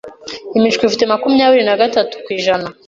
imishwi ifite makumyabiri nagatu kw’ijana